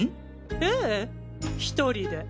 ええ１人で。